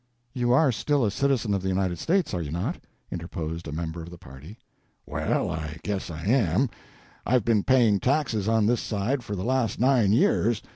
"You are still a citizen of the United States, are you not?" interposed a member of the party. "Well, I guess I am. I've been paying taxes on this side for the last nine years.